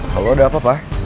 halo ada apa pak